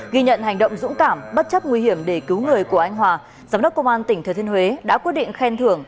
ghi nhận hành động dũng cảm bất chấp nguy hiểm để cứu người của anh hòa giám đốc công an tỉnh thừa thiên huế đã quyết định khen thưởng